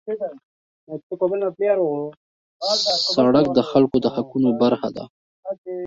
سړک د خلکو د حقونو برخه ده.